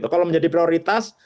kalau menjadi prioritas